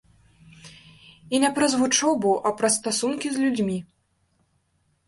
І не праз вучобу, а праз стасункі з людзьмі.